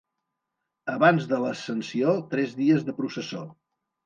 Abans de l'Ascensió, tres dies de processó.